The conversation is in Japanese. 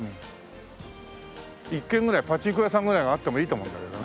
１軒ぐらいパチンコ屋さんぐらいがあってもいいと思うんだけどね。